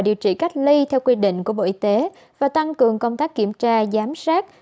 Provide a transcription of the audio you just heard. điều trị cách ly theo quy định của bộ y tế và tăng cường công tác kiểm tra giám sát